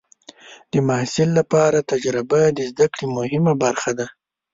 د محصل لپاره تجربه د زده کړې مهمه برخه ده.